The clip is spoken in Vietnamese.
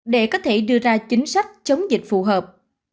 để có thể đưa ra chính sách chống dịch phù hợp